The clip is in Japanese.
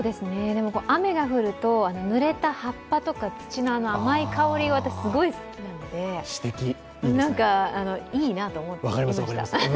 雨が降るとぬれた葉っぱとか土の甘い香りが私、すごい好きなんで、いいなと思っていました。